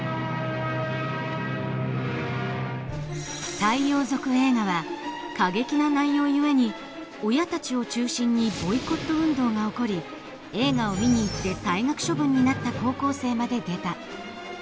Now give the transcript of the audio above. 太陽族映画は過激な内容ゆえに親たちを中心にボイコット運動が起こり映画を見に行って退学処分になった高校生まで出た。